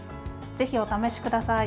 ぜひお試しください。